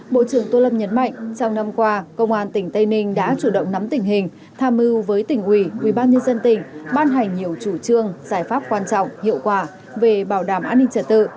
bộ trưởng tô lâm nhấn mạnh trong năm qua công an tỉnh tây ninh đã chủ động nắm tình hình tham mưu với tỉnh ủy ubnd tỉnh ban hành nhiều chủ trương giải pháp quan trọng hiệu quả về bảo đảm an ninh trật tự